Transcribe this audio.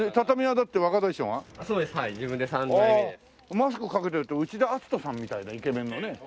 マスク掛けてると内田篤人さんみたいなイケメンのね。